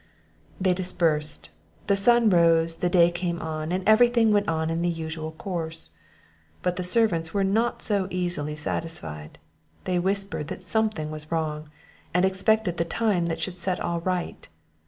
They dispersed; the sun rose, the day came on, and every thing went on in the usual course; but the servants were not so easily satisfied; they whispered that something was wrong, and expected the time that should set all right.